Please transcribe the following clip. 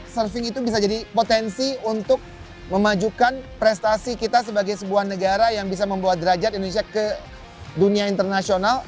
surfing itu bisa jadi potensi untuk memajukan prestasi kita sebagai sebuah negara yang bisa membuat derajat indonesia ke dunia internasional